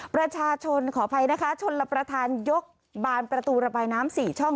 ประชาชนขออภัยนะคะชนรับประทานยกบานประตูระบายน้ำ๔ช่อง